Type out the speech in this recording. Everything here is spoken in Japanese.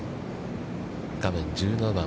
画面１７番。